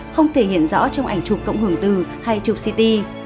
không thể hiện rõ trong ảnh chụp cộng hưởng từ hay chụp ct